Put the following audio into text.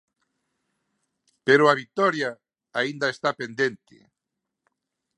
Pero a vitoria aínda está pendente.